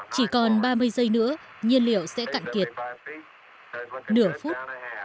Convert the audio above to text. chỉ còn ba mươi giây nữa nhiên liệu sẽ cạn kiệt nửa phút